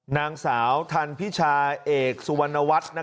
นางสาวทันพิชาเอกสุวรรณวัฒน์